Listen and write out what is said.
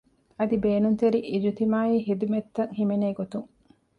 އަދި ބޭނުންތެރި އިޖްތިމާޢީ ޚިދުމަތްތައް ހިމެނޭ ގޮތުން